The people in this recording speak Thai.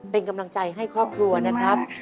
เป็นกำลังใจให้ครอบครัวนะครับ